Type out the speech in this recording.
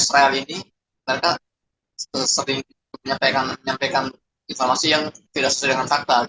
sering menyampaikan informasinya